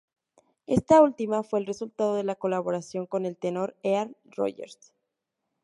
Esta última fue el resultado de la colaboración con el tenor Earl Rogers.